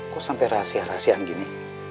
kok sampai rahasia rahasiaan gini